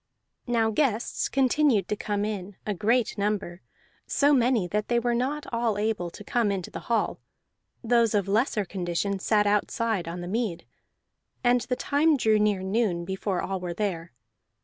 Now guests continued to come in, a great number, so many that they were not all able to come into the hall; those of lesser condition sat outside on the mead. And the time drew near noon before all were there.